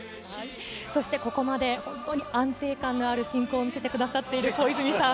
そしてここまで本当に安定感のある進行を見せてくださっている小泉さん。